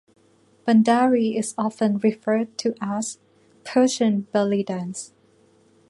Bandari is often referred to as "Persian Bellydance".